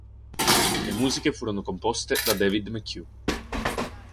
Le musiche furono composte da David McHugh.